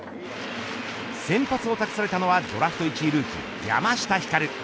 先発を託されたのはドラフト１位ルーキー山下輝